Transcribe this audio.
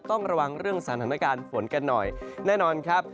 ต้องระวังเรื่องสถานการณ์ฝนกันหน่อยแน่นอนครับ